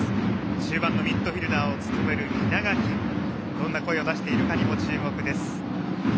中盤のミッドフィールダー稲垣がどんな声を出しているかにも注目です。